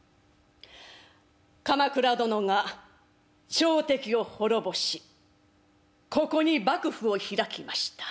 鎌倉殿が朝敵を滅ぼしここに幕府を開きました。